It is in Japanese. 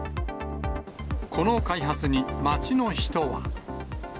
この開発に、街の人は。